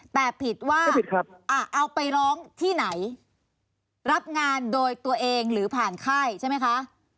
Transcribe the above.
แต่ผิดว่าเอาไปร้องที่ไหนรับงานโดยตัวเองหรือผ่านค่ายใช่ไหมคะ